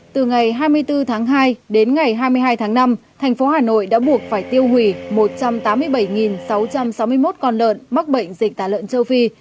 từ ngày hai mươi bốn tháng hai đến ngày hai mươi hai tháng năm thành phố hà nội đã buộc phải tiêu hủy một trăm tám mươi bảy sáu trăm sáu mươi một con lợn mắc bệnh dịch tả lợn châu phi